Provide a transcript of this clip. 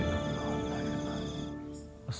tidak ada tuhan